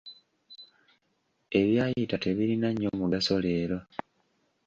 Ebyayita tebirina nnyo mugaso leero.